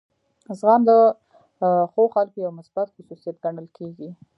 زغم د ښو خلکو یو مثبت خصوصیت ګڼل کیږي.